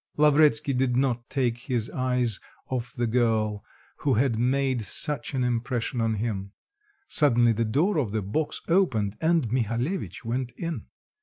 Lavretsky did not take his eyes off the girl who had made such an impression on him; suddenly the door of the box opened and Mihalevitch went in.